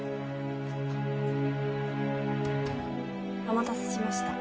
お待たせしました。